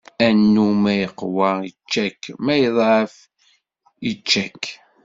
Annu ma iqwa ičča-k, ma iḍɛef ičča-k.